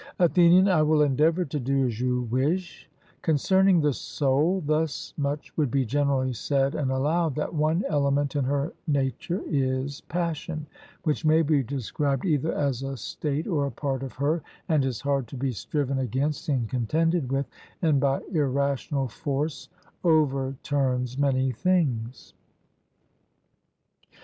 ATHENIAN: I will endeavour to do as you wish: Concerning the soul, thus much would be generally said and allowed, that one element in her nature is passion, which may be described either as a state or a part of her, and is hard to be striven against and contended with, and by irrational force overturns many things.